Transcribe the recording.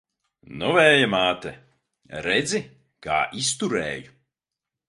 Nu, Vēja māte, redzi, kā izturēju!